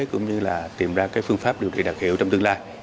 cũng như là tìm ra cái phương pháp điều trị đặc hiệu trong tương lai